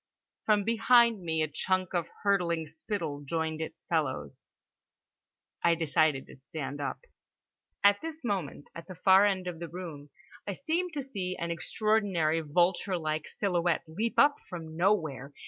From behind me a chunk of hurtling spittle joined its fellows. I decided to stand up. At this moment, at the far end of the room, I seemed to see an extraordinary vulture like silhouette leap up from nowhere.